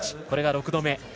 これが６度目。